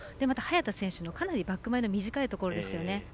また早田選手のかなりバック前の短いところですよね。